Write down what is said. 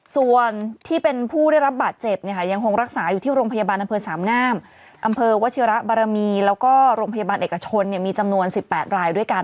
ส่วนที่เป็นผู้ได้รับบาดเจ็บยังคงรักษาอยู่ที่โรงพยาบาลอำเภอสามงามอำเภอวชิระบารมีแล้วก็โรงพยาบาลเอกชนมีจำนวน๑๘รายด้วยกัน